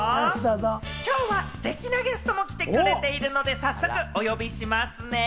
今日はステキなゲストも来てくれているので、早速、お呼びしますね。